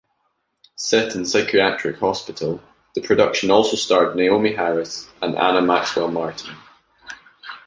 Set in psychiatric hospital, the production also starred Naomie Harris and Anna Maxwell Martin.